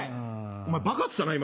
お前「バカ」っつったな今。